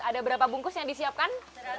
ada berapa bungkus yang disiapkan